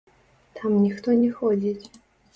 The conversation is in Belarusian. Там ніхто не ходзіць.